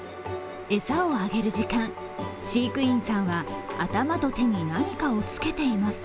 餌をあげる時間、飼育員さんは頭と手に何かをつけています。